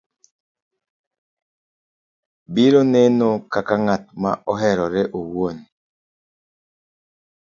biro neno kaka ng'at moherore owuon